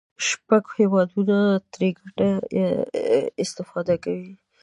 شپږ هېوادونه ترې ګډه استفاده کوي.